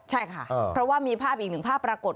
ใช่ค่ะเพราะว่ามีภาพอีกหนึ่งภาพปรากฏ